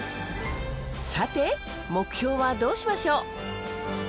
さて目標はどうしましょう？